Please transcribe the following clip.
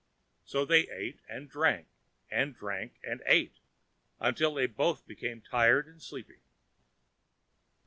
So they ate and drank, and drank and ate, until they became both tired and sleepy.